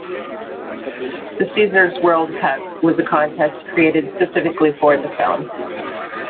The Caesars World Cup was a contest created specifically for the film.